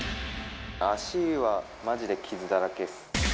足は、マジで傷だらけっす。